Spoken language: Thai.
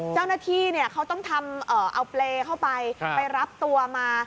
เจ้าหน้าที่เขาต้องทำเอาเปรย์เข้าไปไปรับตัวมา